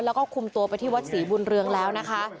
แล้วก็คุมตัวไปที่วัดศรีบุญเรืองแล้วนะคะ